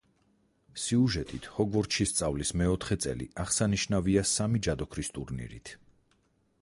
სიუჟეტით, ჰოგვორტსში სწავლის მეოთხე წელი აღსანიშნავია სამი ჯადოქრის ტურნირით.